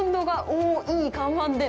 お、いい看板で。